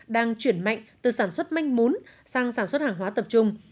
đang chuyển mạnh từ sản xuất manh mún sang sản xuất hàng hóa tập trung